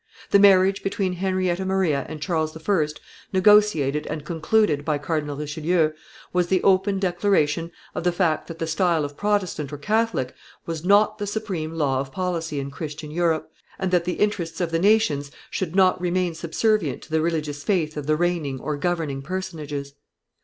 The marriage between Henrietta Maria and Charles I., negotiated and concluded by Cardinal Richelieu, was the open declaration of the fact that the style of Protestant or Catholic was not the supreme law of policy in Christian Europe, and that the interests of nations should not remain subservient to the religious faith of the reigning or governing personages.